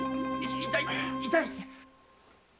痛い痛い！